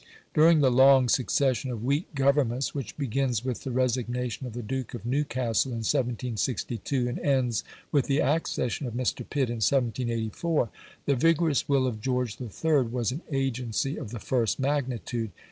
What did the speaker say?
During the long succession of weak Governments which begins with the resignation of the Duke of Newcastle in 1762 and ends with the accession of Mr. Pitt in 1784, the vigorous will of George III. was an agency of the first magnitude.